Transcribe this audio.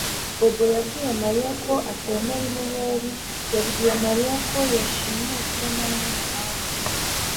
Bobo yabwiye Mariya ko atemera inyenyeri yabwiye Mariya ko yashimuswe nabanyamahanga